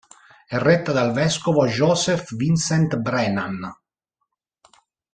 È retta dal vescovo Joseph Vincent Brennan.